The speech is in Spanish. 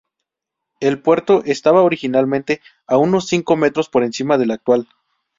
El puerto estaba originalmente a unos cinco metros por encima del actual.